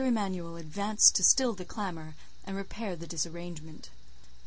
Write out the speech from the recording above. Emanuel advanced to still the clamour and repair the disarrangement.